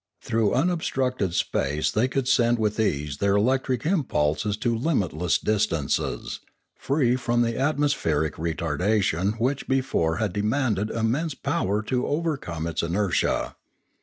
Through unobstructed space they could send with ease their electric impulses to limitless distances, free from the atmospheric retardation which before had demanded immense power to overcome its inertia.